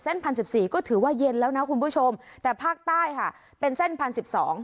พันสิบสี่ก็ถือว่าเย็นแล้วนะคุณผู้ชมแต่ภาคใต้ค่ะเป็นเส้นพันสิบสอง